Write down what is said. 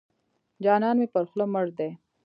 جانان مې پر خوله مړ دی.